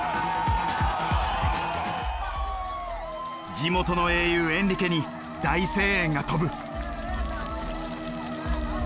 地元の英雄エンリケに大声援が飛ぶ。